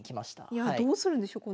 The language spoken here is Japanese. いやあどうするんでしょう